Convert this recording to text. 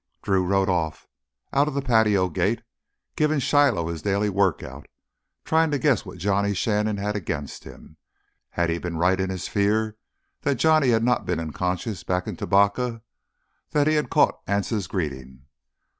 Drew rode off, out of the patio gate, giving Shiloh his daily workout, trying to guess what Johnny Shannon had against him. Had he been right in his fear that Johnny had not been unconscious back in Tubacca, that he had caught Anse's greeting?